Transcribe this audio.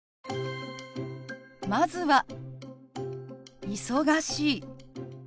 まずは「忙しい」。